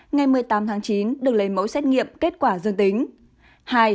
ngày một mươi tám tháng chín được lấy mẫu xét nghiệm kết quả dương tính